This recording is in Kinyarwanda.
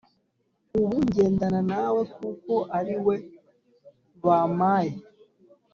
ubu ngendana nawe kuko ariwe bamaye